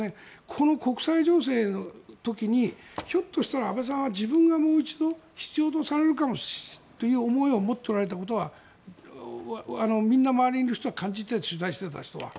この国際情勢の時にひょっとしたら安倍さんは自分がもう一度必要とされるかもという思いを持っておられたことはみんな周りにいる人たちは感じていて取材していた人は。